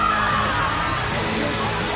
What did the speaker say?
よし！